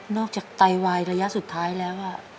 จากไตวายระยะสุดท้ายแล้ว